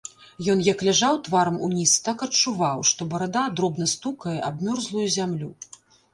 Ён як ляжаў тварам уніз, так адчуваў, што барада дробна стукае аб мёрзлую зямлю.